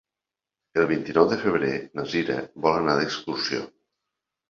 El vint-i-nou de febrer na Cira vol anar d'excursió.